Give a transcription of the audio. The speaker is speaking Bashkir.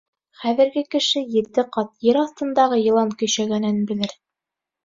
Хәҙерге кеше ете ҡат ер аҫтындағы йылан көйшәгәнен белер.